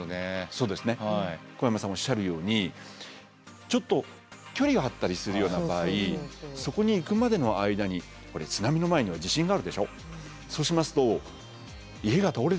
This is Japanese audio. そうですね小山さんおっしゃるようにちょっと距離があったりするような場合そこに行くまでの間にこれ津波の前には地震があるでしょ。